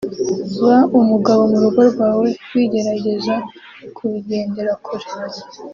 ba umugabo mu rugo rwawe wigerageza kubigendera kure